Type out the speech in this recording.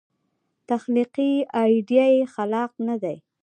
تخلیقي ایډیا یې خلاق نه دی.